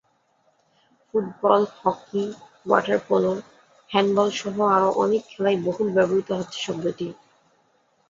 Football, hockey, water polo, হ্যান্ডবলসহ আরও অনেক খেলায় বহুল ব্যবহূত হচ্ছে শব্দটি।